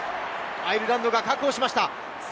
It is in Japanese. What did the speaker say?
アイルランドが確保しました。